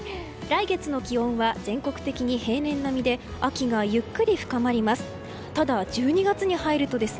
来月の気温は全国的に平年並みで秋がゆっくり深まります。